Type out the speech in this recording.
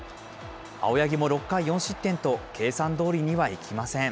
青柳も６回４失点と、計算どおりにはいきません。